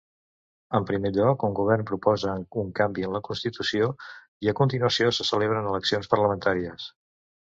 En primer lloc, un govern proposa un canvi en la constitució i, a continuació, se celebren eleccions parlamentàries.